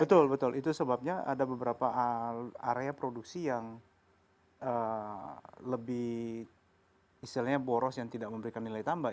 betul betul itu sebabnya ada beberapa area produksi yang lebih istilahnya boros yang tidak memberikan nilai tambah